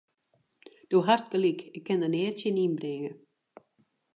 Do hast gelyk, ik kin der neat tsjin ynbringe.